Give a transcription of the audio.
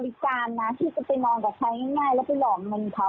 เพราะฉะนั้นพี่ก็ไปนอนกับใครง่ายแล้วไปหลอกมันเขา